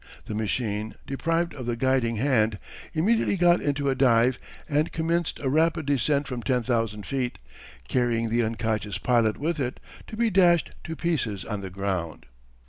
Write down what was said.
The machine, deprived of the guiding hand, immediately got into a dive and commenced a rapid descent from ten thousand feet, carrying the unconscious pilot with it, to be dashed to pieces on the ground.